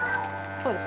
そうです